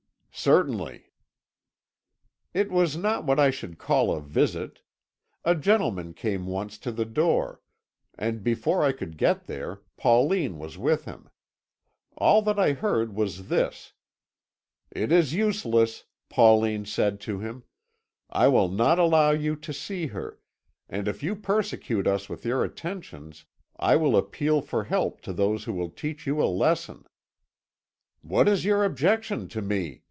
"Certainly." "It was not what I should call a visit. A gentleman came once to the door, and before I could get there, Pauline was with him. All that I heard was this: 'It is useless,' Pauline said to him; 'I will not allow you to see her, and if you persecute us with your attentions I will appeal for help to those who will teach you a lesson.' 'What is your objection to me?'